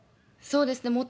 そうですね。